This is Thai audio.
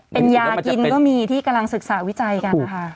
เป็นยากินก็มีที่กำลังศึกษาวิจัยกันนะคะ